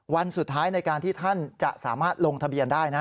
วันสุดท้ายในการที่ท่านจะสามารถลงทะเบียนได้นะ